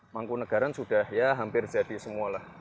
mangkunagaran sudah ya hampir jadi semua lah